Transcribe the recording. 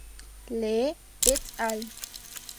Lee "et al.